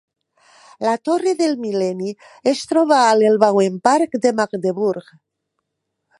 La torre del mil·lenni es troba a l'Elbauenpark de Magdeburg.